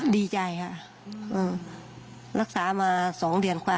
ดีใจครับลักษามา๒เดือนค่ะ